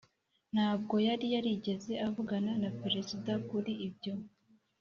] ntabwo yari yarigeze avugana na perezida kuri ibyo.